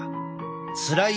つらい